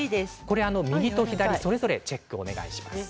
右と左、それぞれチェックをお願いします。